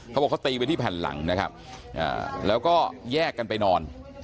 เขาบอกเขาตีไปที่แผ่นหลังนะครับแล้วก็แยกกันไปนอน